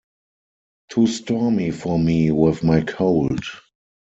Too stormy for me with my cold.